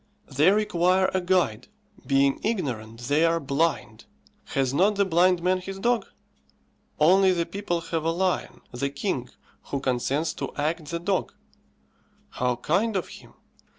They require a guide; being ignorant, they are blind. Has not the blind man his dog? Only the people have a lion, the king, who consents to act the dog. How kind of him!